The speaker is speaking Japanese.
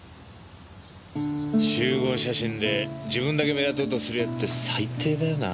集合写真で自分だけ目立とうとするやつって最低だよな。